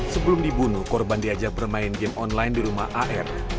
sebelum dibunuh korban diajak bermain game online di rumah ar